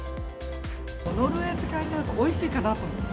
ノルウェーって書いていると、おいしいかなと思って。